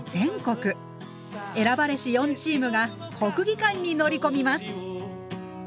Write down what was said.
選ばれし４チームが国技館に乗り込みます。